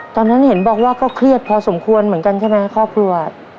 ตอนนั้นเห็นบอกว่าก็เครียดพอสมควรเหมือนกันใช่ไหมครอบครัว